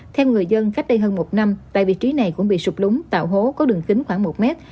theo người dân cách đây hơn một năm tại vị trí này cũng bị sụp lúng tạo hố có đường kính khoảng một mét